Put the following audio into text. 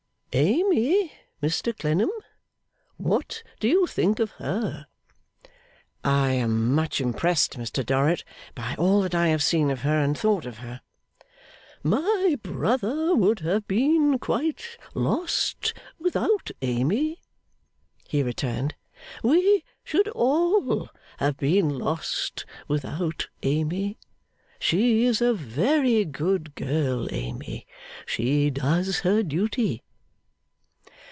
'Amy, Mr Clennam. What do you think of her?' 'I am much impressed, Mr Dorrit, by all that I have seen of her and thought of her.' 'My brother would have been quite lost without Amy,' he returned. 'We should all have been lost without Amy. She is a very good girl, Amy. She does her duty.